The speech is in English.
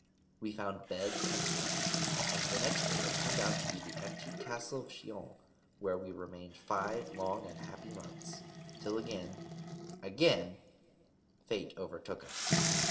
We found beds, and slept: and the next day it turned out to be the antique Castle of Chillon, where we remained five long and happy months, till again, again, Fate overtook us.